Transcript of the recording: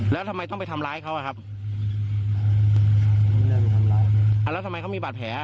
แล้วทำไมต้องไปทำร้ายเขาอ่ะครับแล้วทำไมเขามีบาดแผลอ่ะ